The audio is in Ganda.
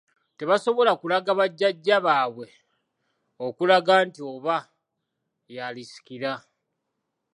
Tebasobola kulaga bajjajja baabwe okulaga nti oba yalisikira.